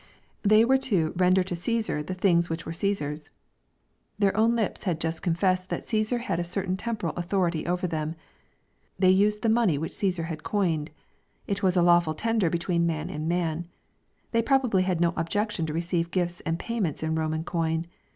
They were to " render to Caesar the things which were Caesar's/' Their own lips had just confessed that Caesar had a certain temporal authority over them. They used the money which Caesar had coined. It was a lawful tender between man and man. They probably had no objection to receive gifts and payments in Eoman coin.